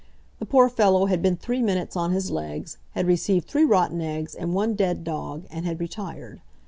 The poor fellow had been three minutes on his legs, had received three rotten eggs, and one dead dog, and had retired.